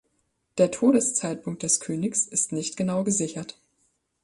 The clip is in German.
Der Todeszeitpunkt des Königs ist nicht genau gesichert.